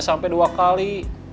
sampai dua kali